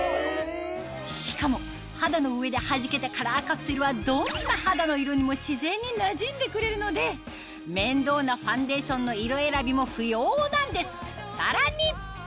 しかも肌の上ではじけたカラーカプセルはどんな肌の色にも自然になじんでくれるので面倒なファンデーションの色選びも不要なんですさらに！